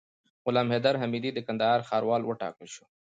غلام حیدر حمیدي د کندهار ښاروال وټاکل سو